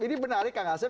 ini menarik kak asep